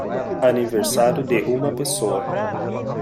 Aniversário de uma pessoa